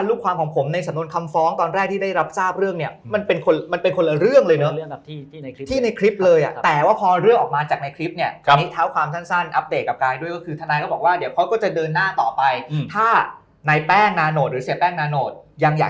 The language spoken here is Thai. ลูกความของผมในสำนวนคำฟ้องตอนแรกที่ได้รับทราบเรื่องเนี่ย